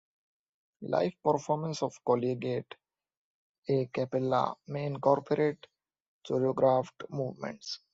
Live performances of collegiate a cappella may incorporate choreographed movements.